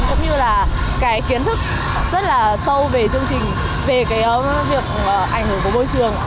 cũng như là kiến thức rất sâu về chương trình về việc ảnh hưởng của môi trường